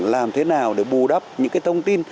làm thế nào để bù đắp những thông tin